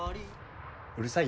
うるさい？